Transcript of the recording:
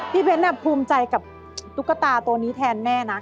พี่เบนแบบภูมิใจกับตุ๊กตาตัวนี้แทนแม่นะ